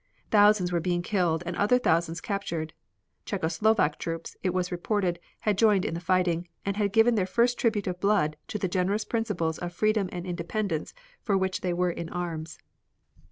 Thousands were being killed and other thousands captured. Czecho Slovak troops, it was reported, had joined in the fighting, and had given their first tribute of blood to the generous principles of freedom and independence for which they were in arms.